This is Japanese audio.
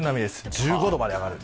１５度まで上がる。